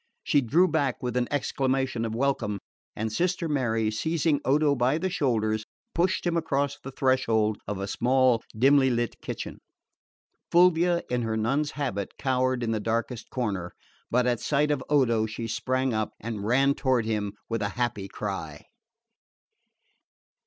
She drew back with an exclamation of welcome, and Sister Mary, seizing Odo by the shoulders, pushed him across the threshold of a small dimly lit kitchen. Fulvia, in her nun's habit, cowered in the darkest corner; but at sight of Odo she sprang up, and ran toward him with a happy cry.